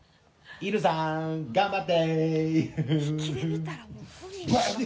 イヌさん、頑張って！